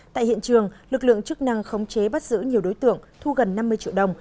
tại hiện trường lực lượng chức năng khống chế bắt giữ nhiều đối tượng thu gần năm mươi triệu đồng